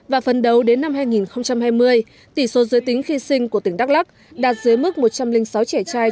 và phần đầu đến năm hai nghìn hai mươi tỷ số giới tính khi sinh của tỉnh đắk lắc đạt dưới mức một trăm linh sáu trẻ trai